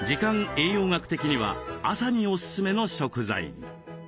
栄養学的には朝にオススメの食材。